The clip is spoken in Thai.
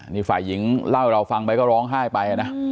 นี่ฝ่ายหญิงเล่าให้เราฟังไปก็ร้องไห้ไปนะ